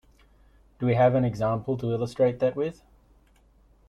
Do we have an example to illustrate that with?